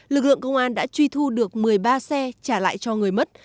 lực lượng công an đã truy thu được một mươi ba xe trả lại cho người mất